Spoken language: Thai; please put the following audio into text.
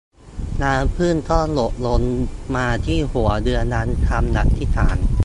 น้ำผึ้งก็หยดลงมาที่หัวเรือดังคำอธิษฐาน